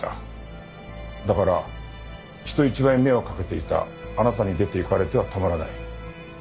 だから人一倍目をかけていたあなたに出ていかれてはたまらない。